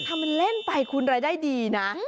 ทำมันเล่นไปคุณรายได้ดีนะ